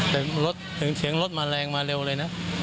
แต่รถถึงเสียงรถมาแรงมาเร็วเลยนะ